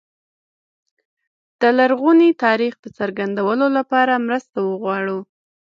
د لرغوني تاریخ د څرګندولو لپاره مرسته وغواړو.